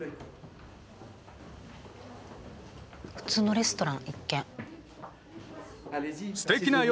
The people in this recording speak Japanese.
普通のレストラン一見。